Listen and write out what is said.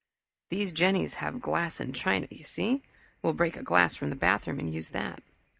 "These Jennies have glass and china, you see. We'll break a glass from the bathroom and use that.